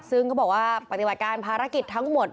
ซึ่งเขาบอกว่าปฏิบัติการภารกิจทั้งหมด